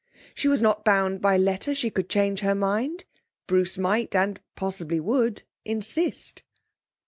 She was not bound by letter; she could change her mind. Bruce might and possibly would, insist.